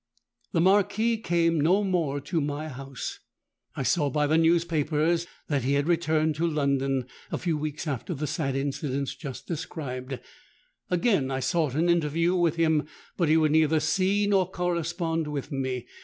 "The Marquis came no more to my house;—I saw by the newspapers that he had returned to London, a few weeks after the sad incidents just described;—again I sought an interview with him, but he would neither see nor correspond with me.